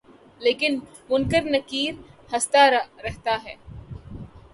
لیکن منکر نکیر ہستہ رہتا ہے